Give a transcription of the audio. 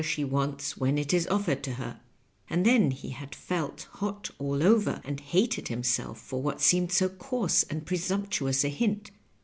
189 she wants when it is oflEered to her" ; and then he had felt hot all over, and hated himself for what seemed so coarse and presumptuons a hint.